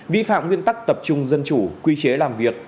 vi phạm nguyên tắc tập trung dân chủ quy chế làm việc